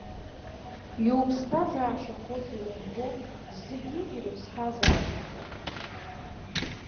Иуԥсҭазаашьахозеи умбо, зегьы ирыԥсҭазаашьахо!